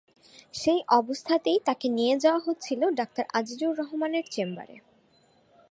সেই অবস্থাতেই তাকে নিয়ে যাওয়া হচ্ছিল ডাক্তার আজিজুর রহমানের চেম্বারে।